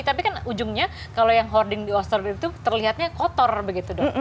tapi kan ujungnya kalau yang hoarding di austra itu terlihatnya kotor begitu dok